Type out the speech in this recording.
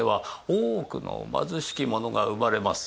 多くの貧しき者が生まれます。